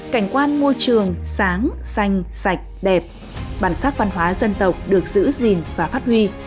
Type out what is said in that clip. cảnh quan môi trường sáng xanh sạch đẹp bản sắc văn hóa dân tộc được giữ gìn và phát huy